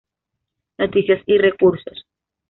Noticias y recursos